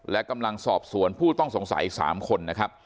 และกำลังสอบสวนผู้ต้องสงสัย๓คนนะครับ